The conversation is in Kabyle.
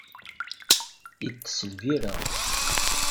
Itess lbirra.